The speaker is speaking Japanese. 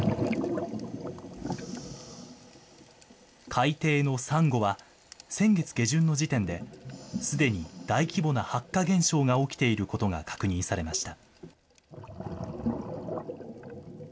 海底のサンゴは先月下旬の時点で、すでに大規模な白化現象が起きていることが確認されました。